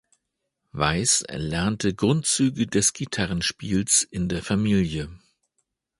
Weiss lernte Grundzüge des Gitarrenspiels in der Familie.